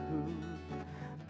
kau bisa merebut senyumku